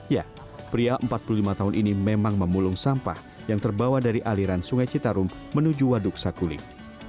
ya pria empat puluh lima tahun ini memang memulung sampah yang terbawa dari aliran sungai citarum menuju waduk sakuling